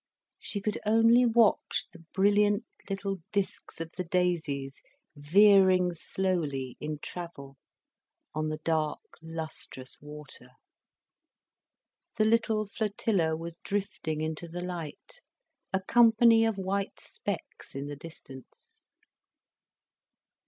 She could only watch the brilliant little discs of the daisies veering slowly in travel on the dark, lustrous water. The little flotilla was drifting into the light, a company of white specks in the distance.